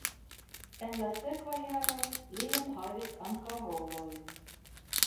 En la sekva jaro li jam havis ankaŭ rolojn.